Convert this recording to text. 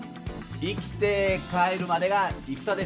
生きて帰るまでが戦です！